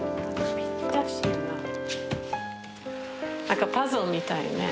何かパズルみたいね。